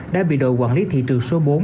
đã bị đội quản lý thị trường số bốn